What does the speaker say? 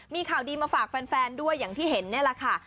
มีข่าวดีมาฝากแฟนด้วยอย่างที่เห็นนี่แหละค่ะ